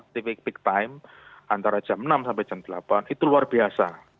tipik peak time antara jam enam sampai jam delapan itu luar biasa